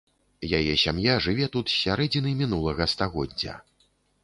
Яе сям'я жыве тут з сярэдзіны мінулага стагоддзя.